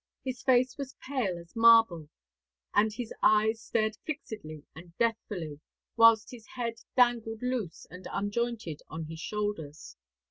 His face was pale as marble, and his eyes stared fixedly and deathfully, whilst his head dangled loose and unjointed on his shoulders.